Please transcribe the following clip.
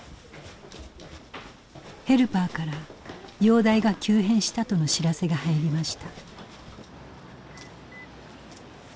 ヘルパーから容体が急変したとの知らせが入りました。